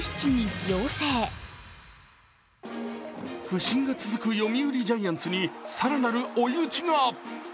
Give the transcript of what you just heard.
不振が続く読売ジャイアンツに更なる追い打ちが。